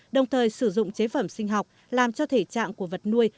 đồng thời sử dụng chế phẩm sinh học làm cho thể trạng của vật nuôi